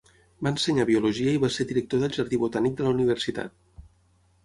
Va ensenyar biologia i va ser director del jardí botànic de la universitat.